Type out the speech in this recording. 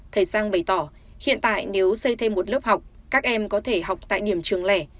thầy sang bày tỏ hiện tại nếu xây thêm một lớp học các em có thể học tại điểm trường lẻ